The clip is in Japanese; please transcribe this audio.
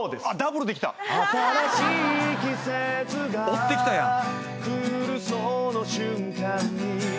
追ってきたやん。